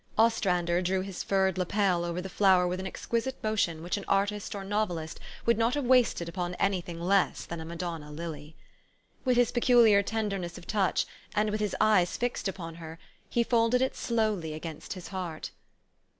Ostrander drew his furred lappel over the flower with an exquisite motion which an artist or novelist would not have wasted upon any thing less than a Madonna lity. With his peculiar tenderness of touch, and with his eyes fixed upon her, he folded it slowly against his heart.